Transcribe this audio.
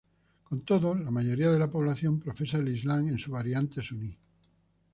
Con todo, la mayoría de la población profesa el Islam en su variante sunní.